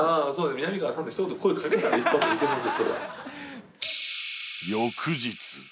みなみかわさんって一言声かけたら一発でいけますよ